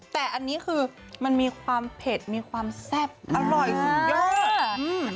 แต่อันนี้คือมันมีความเผ็ดมีความแซ่บอร่อยสุดยอด